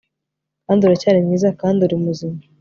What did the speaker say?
kandi uracyari mwiza kandi uri muzima